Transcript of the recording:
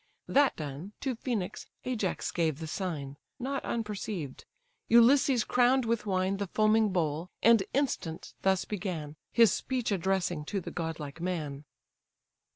That done, to Phœnix Ajax gave the sign: Not unperceived; Ulysses crown'd with wine The foaming bowl, and instant thus began, His speech addressing to the godlike man.